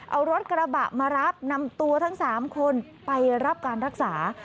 เอารถกระบะมารับนำตัวทั้ง๓คนไปรับการรักษา